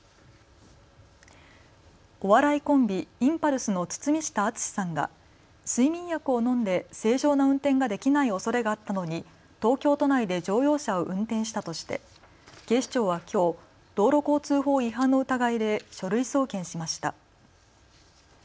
お笑いコンビ、インパルスの堤下敦さんが睡眠薬を飲んで正常な運転ができないおそれがあったのに東京都内で乗用車を運転したとして警視庁はきょう道路交通法違反の疑いで書類送検しました。